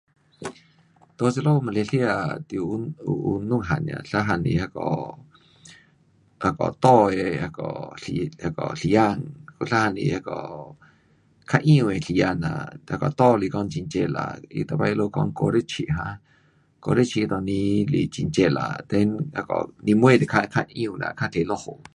在这里马来西亚得有，有有两样尔，一样是那个，那个干的那个时，那个时间，有一样是那个较湿的时间呐，干的是讲很热啦，每次他们讲五六七哈，五六七那阵时是很热啦。then 那个年尾就较，较湿啦，较多落雨。